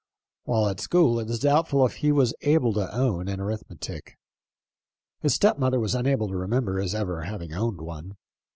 While at school it is doubtful if he was able to own an arith metic. His stepmother was unable to remember his ever having owned one.